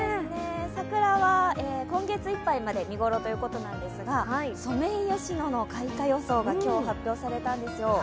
桜は今月いっぱいまで見頃ということなんですが、ソメイヨシノの開花予想が今日発表されたんですよ。